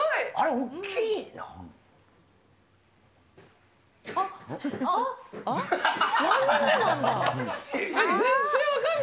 大きいな。